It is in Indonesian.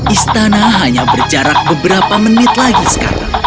istana hanya berjarak beberapa menit lagi sekarang